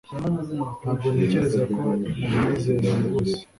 Ntabwo ntekereza ko mubyizera rwose.